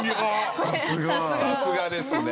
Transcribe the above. さすがですね。